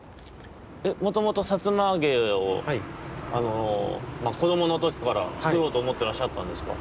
もともとさつまあげをあのこどものときからつくろうとおもってらっしゃったんですか？